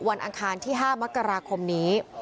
อังคารที่๕มกราคมนี้